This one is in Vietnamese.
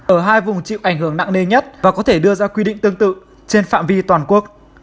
ở hai vùng chịu ảnh hưởng nặng nề nhất và có thể đưa ra quy định tương tự trên phạm vi toàn quốc